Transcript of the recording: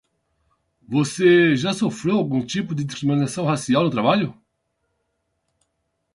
Você já sofreu algum tipo de discriminação racial no trabalho?